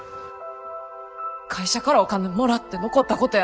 会社からお金もらって残ったことやない。